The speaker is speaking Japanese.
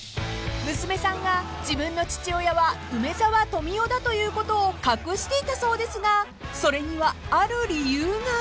［娘さんが自分の父親は梅沢富美男だということを隠していたそうですがそれにはある理由が］